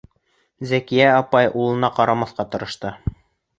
Зәкиә апай улына ҡарамаҫҡа тырышты.